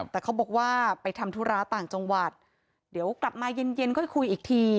แต่เขาบอกว่าไปทำธุระต่างจังหวัดเดี๋ยวกลับมาเย็นเย็นค่อยคุยอีกที